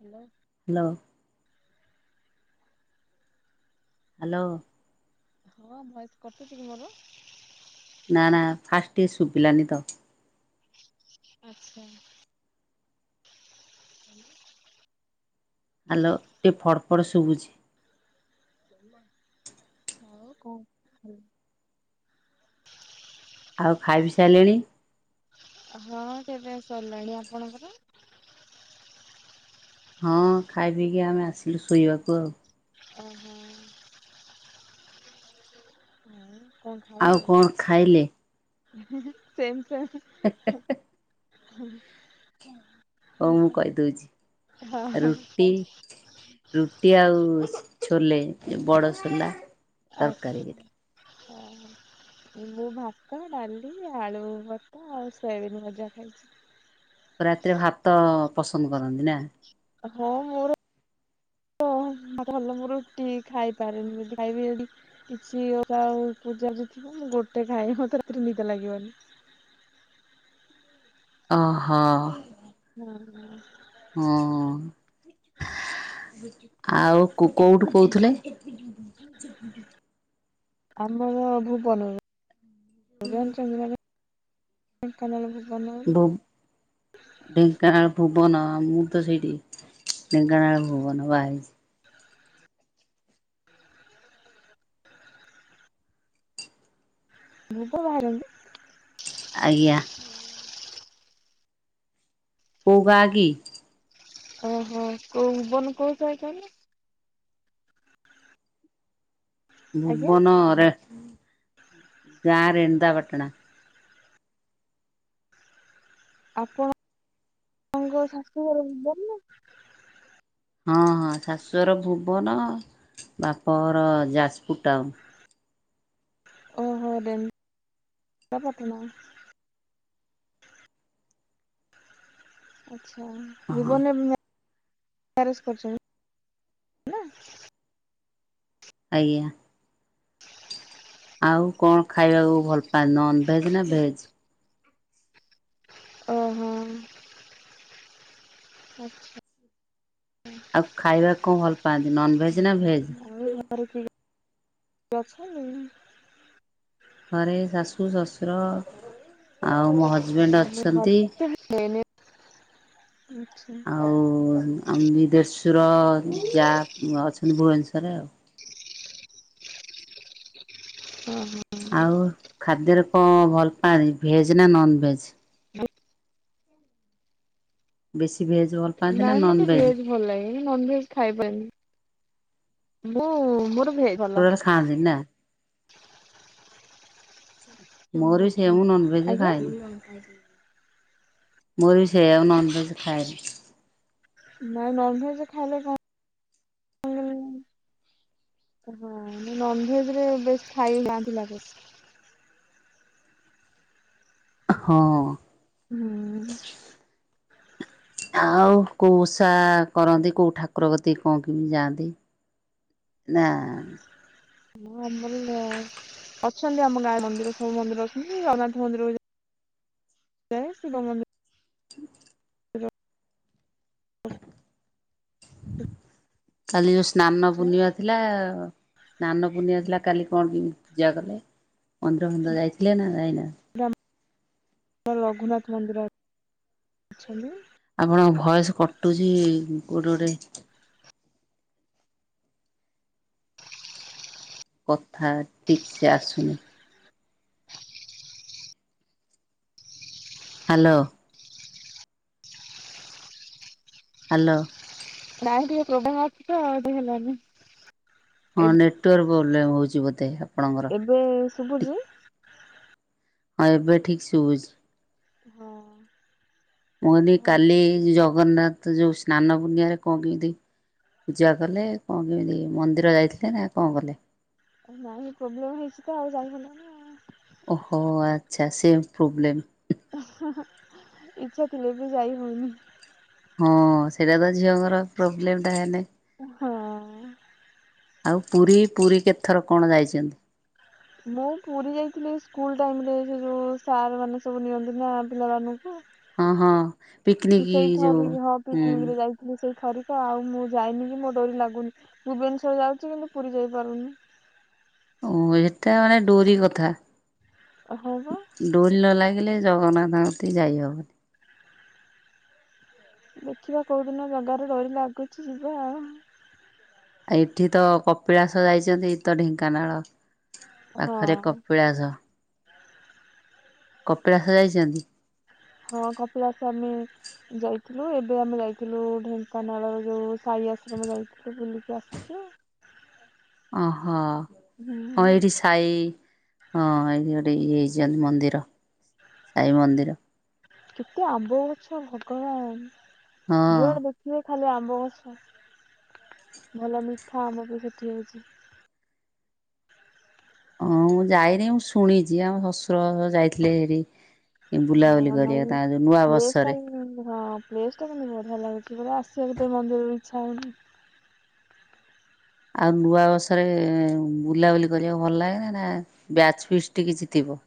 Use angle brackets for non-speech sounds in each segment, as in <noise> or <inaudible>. Hello hello hello ହଁ voice କଟୁଛି କି ମୋର ନା ନା ଫାଷ୍ଟ ଟି ଶୁଭିଲାନି ତ ଆଚ୍ଛା ହ୍ୟାଲୋ ଟିକେ ଫଡ ଫଡ ଶୁଭୁଛି ହଉ କଣ ଆଉ ଖାଇ ପିଇ ସାରିଲେଣି? ହଁ ଖିଆପିଆ ସରିଲାଣି ଆପଣଙ୍କର ହଁ ଖାଇ ପିଇକି ଆମେ ଆସିଲୁ ଶୋଇବାକୁ ଆଉ ଓହୋ ହୁଁ ଆଉ କଣ ଖାଇଲେ।? ସେମ। । ହେଁ ହେଁ ହେଁ ହୁଁ। ହଉ ମୁଁ କହି ଦଉଛି। ହଁ ହଁ ରୁଟି ରୁଟି ଆଉ। ଛୋଲେ ବଡ ଛୋଲା। ଆଚ୍ଛା ହଁ। ମୁଁ ଭାତ ଡାଲି ଆଳୁ ଭତା ଆଉ ସୋୟାବିନ ଭଜା ଖାଇଛି। ରାତିରେ ଭାତ ପସନ୍ଦ କରନ୍ତି ନା। ହଁ ମୋର। । <inaudible> ଭଲ ମୁଁ ରୁଟି ଖାଇପାରେନି ଯଦି ଖାଇବି କିଛି ପୂଜା ଯଥିବ। ଗୋଟେ ଖାଇ ମତେ ରାତିରେ ନିଦ ଲାଗିବନି। । <inaudible> ଓହୋ। ହୁଁ ହଁ। ହଁ। ଆଉ କୋକୋଉଠୁ କହୁଥିଲେ। ଆମର ଭୁବନ ସୁର ଢେଙ୍କାନାଳ ଭୁବନ। ବୋଲି? ଭୁ ଢେଙ୍କାନାଳ। ଭୁବନ ମୁଁ ତ ସେଇଠି ଢେଙ୍କାନାଳ ଭୁବନ ବାହା ହେଇଛି। ମୁବ ବାହାରିନି। ଆଜ୍ଞା। କୋଉ ଗାଁ କି। ଓହୋ କୋଉ ବନ କହୁଛ କହଣ। ଆଜ୍ଞା ଭୁବନରେ ଗାଁ ରେନ୍ଦ ପାଟଣା। ଆପଣଙ୍କ ଶାସୁ ଘର। ଭୁବନ ହଁ ହଁ ଶାଶୁର ଭୁବନ ବାପ ଘର ଯାଜପୁର ଟାଉନ୍। ଓ ହୋ ଦେମ୍ ପାତନା। ଆଚ୍ଛା ହଁ ଭୁବନ। ମେରିଆଜ କରଛନ୍ତି ହେଲା। ଆଜ୍ଞା। ଆଉ କଣ ଖାଇବାକୁ ଭଲ ପାଆ ନନ ଭେଜ ନା ଭେଜ। ଓ, ହଁ। ଆଚ୍ଛା। ପାଞ୍ଚ, ନନ ଭେଜ୍ ନା ଭେଜ୍? ଆଉ <unintelligible> ଘରେ ଶାଶୁ ଶଶୁର ଆଉ ମୋ ହଜବେଣ୍ଡ ହଁ ମୁଁ ଅଛନ୍ତି। ଘରେ ଏଇନେ ଆଚ୍ଛା। ଆମି ଦେଢ଼ଶୁର ଯା ଅଛନ୍ତି ଭୁବନେଶ୍ୱରରେ ଆଉ। ଓହୋ ଆଉ ଖାଦ୍ୟରେ କଣ ଭଲ ପାଆନ୍ତି ଭେଜ୍ ନା ନନ ଭେଜ୍? ଭେ ବେଶୀ ଭେଜ ଭଲ ପାଆନ୍ତି ନା ନାଇଁ ମୋତେ ନନଭେଜ? ଭେଜ୍ ଭଲ ଲାଗେ। ଏଇ ନନ ଭେଜ୍ ଖାଇପାରିନି। ମୁଁ ମୋର ଭେଜ ଭଲ। ଟୋଟାଲ ଖାଆନ୍ତିନି ନା? ମୋର ବି ସେ ମୁଁ ନନଭେଜ୍ ଆଜ୍ଞା? ଖାଏନି। ମୋର ବି ସେଇଆ ଆଉ ନନଭେଜ୍ ଖାଏନି। ନାଇଁ ନନ ଭେଜ୍ ଖାଇଲେ କ ଓ, ହଁ ମୁଁ ନନଭେଜ୍ ରେ ବେଶ ଖାଇ ବାନ୍ତି ଲାଗେ। ହଁ। ହଁ। ଆଉ କୋଉ ଉଷା କରନ୍ତି? କୋଉ ଠାକୁର କତିକି କଣ କେମିତି ଯାଆନ୍ତି? ନା। ହଁ ଆମର ଲା-ଅଛନ୍ତି ଆମ ଗାଁ ମନ୍ଦିର ସବୁ ମନ୍ଦିର ଅଛନ୍ତି। ଜଗନ୍ନାଥ ମନ୍ଦିର ଏ ଶିବ ମନ୍ଦି କାଲି ଯୋଉ ସ୍ନାନ ପୂର୍ଣ୍ଣିମା ଯାଏ ଥିଲା। ସ୍ନାନ ପୂର୍ଣ୍ଣିମା ଥିଲା କାଲି କଣ କେମିତି ପୂଜା କଲେ ମନ୍ଦିର ଫନ୍ଦିର ଯାଇଥିଲେ ନା ଯାଇନ? ରାମ <unintelligible> ରଘୁନାଥ ମନ୍ଦିର ଅଛନ୍ତି। ଆପଣଙ୍କ ଭଏସ୍ କଟୁଚି। କୋଉଟି ଗୋଟେ କଥା ଠିକ ସେ ଆସୁନି। ହାଲୋ। ହାଲୋ। ନାଇ ଟିକେ ପ୍ରବ୍ଲେମ୍ ଅଛି ତ <inaudible> ହେଲାନି। ହଁ ନେଟୱାର୍କ ପ୍ରୋବ୍ଲେମ୍ ହଉଛି ବୋଧେ ହ ଏବେ ଶୁଭୁଚି? ହଁ ଏବେ ଠିକ ଶୁଭୁଛି। ହଁ। ମୁଁ କହିଲି କାଲି କୁହନ୍ତୁ ଜଗନ୍ନାଥ ଯୋଉ ସ୍ନାନ ପୂର୍ଣ୍ଣିମାରେ କଣ କେମତି ପୂଜା କଲେ କଣ କେମିତି ମନ୍ଦିର ଯାଇଥିଲେ ନା କଣ କଲେ? ଅ, ନାଇଁ ପ୍ରୋବ୍ଲେମ୍ ହେଇଛି ତ ଆଉ ଯାଇହେଲାନି। ଓହୋ! ଆଚ୍ଛା ସେମ୍ ପ୍ରୋବ୍ଲେମ୍। ଇଚ୍ଛା ଥିଲେ ବି ଯାଇ ହଉନି। ହଁ ସେଇଟା ତ ଝିଅଙ୍କର ପ୍ରୋବ୍ଲେମ୍ ଟା ହେନେ ଏ ହଁ। ଆଉ ପୁରୀ ପୁରୀ କେତଥର କଣ ଯାଇଛନ୍ତି? ମୁଁ ପୁରୀ ଯାଇଥିଲି ଏଇ ସ୍କୁଲ୍ ଟାଇମ୍ ରେ ସେ ଯୋଉ ସାର୍ ମାନେ ସବୁ ନିଅନ୍ତି ନା ପିଲାମାନ କୁ ହଁ ହଁ ମୁଁ ପିକନିକ ସେଇ ଯୋଉ ଥରେ ଯାହା ହୁଁ ପିକନିକ୍ ରେ ଯାଇଥିଲି ସେଇ ଥରିକ ଆଉ ମୁଁ ଯାଇନି କି ମୋ ଡୋରି ଲାଗୁନି। ଭୁବନେଶ୍ଵର ଯାଉଚି କିନ୍ତୁ ପୁରୀ ଯାଇପାରୁନି। ହଁ ଅଁ, ଏଟା ମାନେ ଡୋରି କଥା ହଁ ବା ଡୋରି ନ ଲାଗିଲେ ଜଗନ୍ନାଥଙ୍କ କତିକି ଯାଇହବନି। ଦେଖିବା କେଉଁଦିନ ବଗାରେ ଡୋରି ଲାଗୁଛି ଯିବା। ଏଇଠି ତ କପିଳାସ ଯାଇଛନ୍ତି ଏଇଠିତ ଢେଙ୍କାନାଳ। ପାଖରେ ହଁ। କପିଳାସ। କପିଳାଷ ଯାଇଛନ୍ତି? ହଁ କପିଳାସ ଆମେ ଯାଇଥିଲୁ ଏବେ ଆମେ ଯାଇଥିଲୁ ଢେଙ୍କାନାଳ ଯୋଉ ସାଇ ଆଶ୍ରମ ଯାଇଥିଲୁ ବୁଲିକି ଆସିଛିୁ। ହ ଓହୋ ହୁଁ ହଁ ଏଇଠି ସାାଇ ହଁ ଏଇଠି ଗୋଟେ ଇଏ ହେଇଛନ୍ତି ମନ୍ଦିର ସାଇ ମନ୍ଦିର। କେତେ ଆମ୍ବ ଗଛ ହଁ ଭଗବାନ ଯୁଆଡ ଦେଖିବେ ଖାଲି ଆମ୍ବ ଗଛ ଭଲ ମିଠା ଆମ୍ବ ବି ସେଠି ହେଉଛି। ହମ୍ମ ହଁ ମୁଁ ଯାଇନି ମୁଁ ଶୁଣିଛି ଆମ ଶଶୁର ଯାଇଥିଲେ ହେରି। ହିଁ ବୁଲାବୁଲି କରିବାକୁ ନାହିଁ ତାଙ୍କ ଯୋଉ ନୂଆ ପ୍ଲେସ୍ ଟା ବର୍ଷରେ କିନ୍ତୁ ପ୍ଲେସ୍ ବହୁତ ଭଲ। ଭଲ ଲାଗୁଛି ପରା ଆସିବାକୁ ତ ମନ୍ଦିରରୁ ବି ଇଚଛା ହଉନି। ଆଉ ନୂଆ ବର୍ଷରେ ବୁଲାବୁଲି କରିବାକୁ ଭଲ ଲାଗେ ନା ବ୍ୟାଚ ଫିଷ୍ଟି କିଛି ଓହ।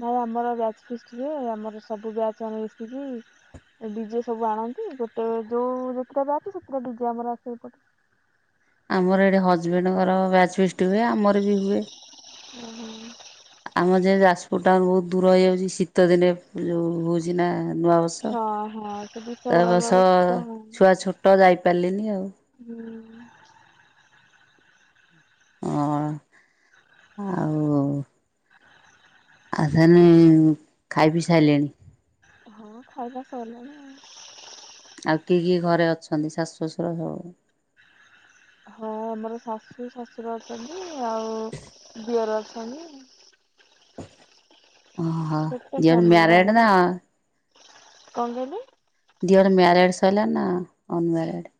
ଭାଇ ଆମର ବ୍ୟାଚ୍ ଫିଷ୍ଟିରେ ଆମର ସବୁ ବ୍ୟାଚ୍ ମାନେ ମିଶିକି ଡିଜେ ସବୁ ଆଣନ୍ତି ଗୋଟେ ଯୋଉ କେତେଟା ବ୍ୟାଚେ ସେତଟା ଡିଜେ ଆମର ଆସେ ଏପଟେ। ଆମର ଏଇଠି ହଜବେଣ୍ଡଙ୍କର ବ୍ୟାଚ ଫିଷ୍ଟି ହୁଏ ଆମର ବି ହୁଏ। ହୁଁ ହୁଁ। ଆମ ଯଉ ଯାଜପୁର ଟାଉନ ବହୁତ ଦୂର ହେଇଯାଉଛି ଶୀତ ଦିନେ ଯୋଉ ହଉଛି ନା ନୂଆବର୍ଷ ହଁ ହଁ ସେ ତା ଡିସେମ୍ବର ବର୍ଷ ବେଳକୁ ତ ଛୁଆ ଛୋଟ ଯାଇପାରିଲିନି ଆଉ। ହୁଁ। ହଁ ଆଉ ଆଉ ତା ହେଲେ ଖାଇପି ସାଇଲେଣି? ହଁ ଖାଇବା ସିଲାଣି ଆଉ। ଆଉ କିଏ କିଏ ଘରେ ଅଛନ୍ତି ଶାଶୁ ଶଶୁର ସବୁ। ହଁ ଆମର ଶାଶୁ ଶଶୁର ଅଛନ୍ତି ଆଉ ଦିଅର ଅଛନ୍ତି। ଓହୋ ଛୋଟ ଦିଅର ଫ୍ୟାମିଲି ଟା ମ୍ୟାରେଡେ ନା? ଆମର କଣ କହିଲେ? ଦିଅର ମ୍ୟାରିଡେ ସରିଲାଣି ନା ଅନମ୍ୟାରେଡ?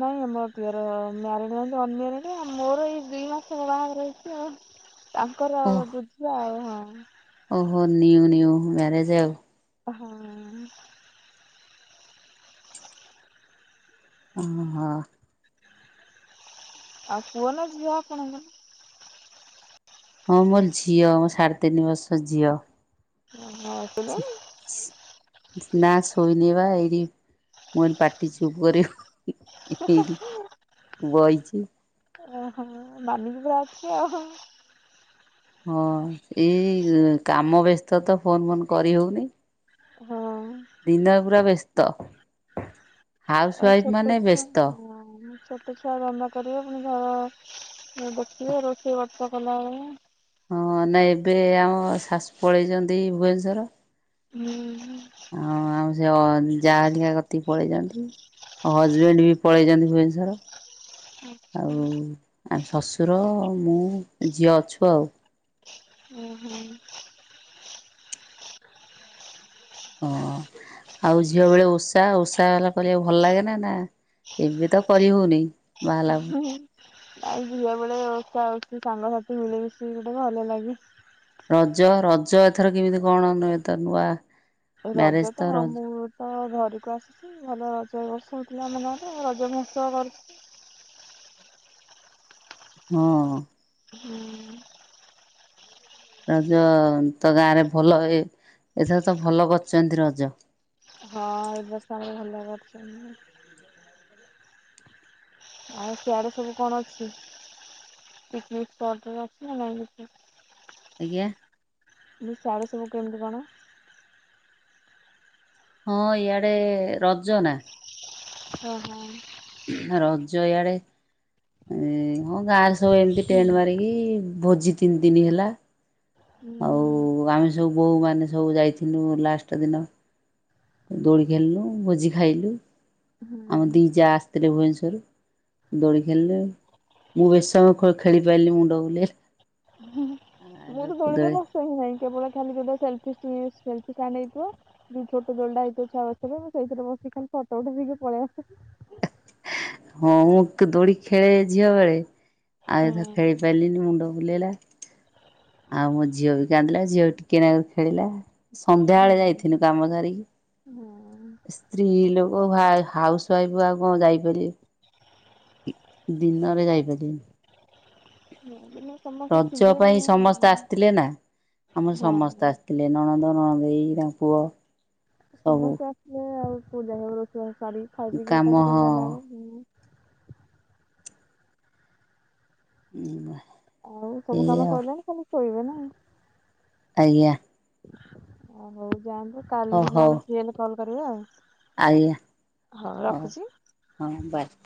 ନାଇଁ ମୋ ଦିଅର ମ୍ୟାରେଡେ ଅନମ୍ୟାରେଦେ ମୋର ଏଇ ଦୁଇ ମାସ ହେଲା ବାହାଘର ହେଇଛି ଆଉ। ତାଙ୍କର ବୁଝିବା ଆଉ ହଁ। ଓ ନିନ୍ୟୁ ନିନ୍ୟୁ ମ୍ୟାରେଜ ଆଉ। ହୁଁ। ଓ ହ। ଆଉ ପୁଅ ନା ଝିଅ ଆପଣଙ୍କର? ହଁ ମୋର ଝିଅ ମୋ ସାଢେ ତିନି ବର୍ଷର ଝିଅ। ଅ ହ ସୋଇଲଣି? ନା ଶୋଇନେବା ଏଇଠି ମୁଁ କହିଲିପା ପାଟି ଚୁପ କରିବୁ। ଏଇଟି ବଇଛି। ଆ ହା ମାନିକି ପୁରା ଅଛି ଆଉ। ହଁ ଏଇ କାମ ବ୍ୟସ୍ତ ତ ଫୋନ ଫୋନ କରି ହେଉନି। ହଁ ପା। ଦିନରେ ପୁରା ବ୍ୟସ୍ତ ହାଉସ ଆଉ ୱାଇଫି ଛୋଟ ମାନେ ଛୁଆ ବ୍ୟସ୍ତ। ହଁ ଛୋଟ ଛୁଆ ଧନ୍ଦା କରିବ ପୁଣି ଘର ପୋଚିବ ରୋଷେଇ ବାସ କଲାବେଳେକୁ ହଁ ନା ଏବେ ଆମ ଶାଶୁ ପଳେଇଛନ୍ତି ଭୁବନେଶ୍ଵର। ହୁଁ ହୁଁ। ହଁ ଆଉ ସେ ଅଯା ଘଟିକି ପଳେଇଛନ୍ତି ଆଉ ହଜବେଣ୍ଡ ବି ପଳେଇଛନ୍ତି ଭୁବନେଶୋର। ଆଚ୍ଛା ଆଉ ଆମ ଶଶୁର ମୁଁ ଝିଅ ଅଛୁ ଆଉ। ଓ ହୋ। ହଁ ଆଉ ଝିଅ ବେଳେ ଓଷା ଓଷା ହେଲା କରିବାକୁ ଭଲ ଲାଗେ ନା ନା। ଏବେ ତ କରି ହଉନି ବାହାହେଲା। ନାଇ ଝିଅ ବେଳେ ଉସା ଓସି ସାଙ୍ଗସାଥି ମିଳିମିଶିି ଗୋଟେ ଭଲ ଲାଗେ। ରଜ, ରଜ ଏଥର କେମିତି କଣ ଏତ ନୂଆ। ରଜ ମ୍ୟାରେଜ ତ ହଁ ରଜ ମୁଁ ତ ଘରକୁ ଆସିଛି ଭଲ। ରଜ ଏ ବର୍ଷ ହଉଥିଲା ଆମ ଗାଁ ରେ ରଜ ମହୋତ୍ସବ କରୁଥିଲେ। ହଁ। ହୁଁ। ରଜ ତ ଗାଁରେ ଭଲ ଏ ଏଥର ତ ଭଲ କରିଛନ୍ତି ରଜ। ହଁ ଏ ବର୍ଷ ଆମର ଭଲ କରିଛନ୍ତି। ଆଉ ସିଆଡେ ସବୁ କଣ ଅଛି। ପନିନିକ ସ୍ପଟରା ଅଛି ନା ନାଇଁ କିଛି। ଆଜ୍ଞା। ସିଆଡେ ସବୁ କେମିତି କଣ? ହଁ ଇଆଡେ ରଜ ନା। ଅ ହ। ରଜ ୟାଡେ। ଏ ହଁ ଗାଁରେ ସବୁ ଏମତି ଟେଣ୍ଡ ମାରିକି ଭୋଜି ତିନି ଦନି ହେଲା। ଉଁ ଆଉ ହୁଁ। ଆମେ ସବୁ ବୋହୁ ମାନେ ସବୁ ଯାଇଥିନୁ ଲାଷ୍ଟ ଦିନ। ଦୋଲି ଖେଲିଲୁ ଭୋଜି ଖାଇଲୁ ହୁଁ। ଆମ ଦି ଯା ଆସିଥିଲେ ଭୁଏନେଶୋର ରୁ। ଦୋଳି ଖେଳିଲେ ମୁଁ ବେଶୀ ସମୟେ ଖୋ ଖେଳି ପାଇଲିନି ମୁଣ୍ଡ ବୁଲେଇଲା। ହୁଁ ହୁଁ ମୁଁ ତ ଦୋଳି ରେ ବସେ ହି ନାହିଁ କେବଳ ଖାଲି ଯୋଉଟା ସେଲଫୀ। କି ସେ ସେଲଫି ଷ୍ଟାଣ୍ଡ ହେଇଥିବ ଯୋଉ ଛୋଟ ଦୋଳି ଟା ହେଇଥିବ ଛୁଆ ବସିଥିବେ ମୁଁ ସେଇଥେରେ ବଶିକି ଖାଲି ଫଟ ଉଥାଇଦେଇକି। <unintelligible> ହଁ ମୁଁ ତ ଦୋଳି ଖେଳେ ଝିଅ ବେଳେ ଆଉ ଏଥର ଖେଳି ପାରିଲିନି ମୁଣ୍ଡ। ବୁଲେଇଲା। ଆଉ ମୋ ଝିଅ ବି କାନ୍ଦିଲା ଝିଅ ବି ଟିକେ ନାକୁରୁ ଖେଳିଲା। ହୁଁ ସନ୍ଧ୍ୟାବେଳେ ଯାଇଥିନୁ କାମ ହଁ ସାରିକି ସ୍ତ୍ରୀ ଲୋକ। ଓ ହାଏ ହାଉସ ୱାଇଫ୍ ଆଉ କଣ ଯାଇପାରିବେ। ଦିନରେ ଯାଇ ପାରିବେନି। <inaudible> ରଜ ଥିବେ ପାଇଁ ସମସ୍ତେ ଆସିଥିଲେ ନା ଆମର ସମସ୍ତେ ହଁ ଆସିଥିଲେ ନଣନ୍ଦ। ନଣଦେଇ ତାଙ୍କ ପୁଅ। ସବୁ ସମସ୍ତେ ଆସିଲେ ଆଉ କୋଉଠି ଯାଇ ହବ ରଷେଇବାସ ସାରିକି ଖାଇପିଇ କାମ ଏକା ସାଥେ ହଁ ଗଲାବେଳେ। ଉଁ ବା। ଆଉ ସବୁ କାମ ସଇଲାଣି ଖାଲି ଶୋଇବେ ନା। ଆଜ୍ଞା। ଅ ହଉ ଯାଆନ୍ତୁ ହ କାଲି ହଉ ନହେଲେ ଫ୍ରୀ ହେଲେ କଲ୍ କରିବେ ଆଉ। ଆଜ୍ଞା ହଉ ହଁ ବାୟେ।